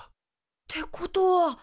ってことは。